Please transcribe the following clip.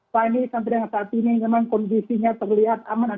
fani sampai dengan saat ini memang kondisinya terlihat aman